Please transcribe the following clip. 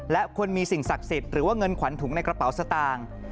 และควรมีสิ่งศักดิ์สิทธิ์หรือว่าเงินขวัญถุงในกระเป๋าสตางค์